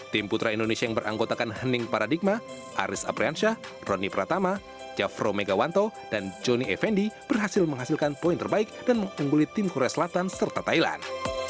tim putra indonesia yang beranggotakan hening paradigma aris apriansyah roni pratama javro megawanto dan joni effendi berhasil menghasilkan poin terbaik dan mengungguli tim korea selatan serta thailand